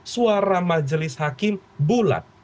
suara majelis hakim bulat